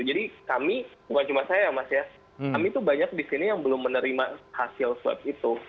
jadi kami bukan cuma saya ya mas ya kami itu banyak di sini yang belum menerima hasil swab itu